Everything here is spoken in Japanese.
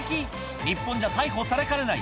日本じゃ逮捕されかねない